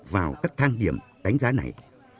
vào các thang điểm đánh giá này